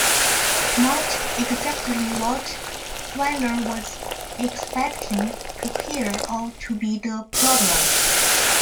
Not exactly what Wyler was expecting to hear or to be the problem.